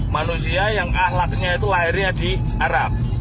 manusia yang ahlaknya itu lahirnya di arab